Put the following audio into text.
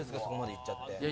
そこまで言っちゃって。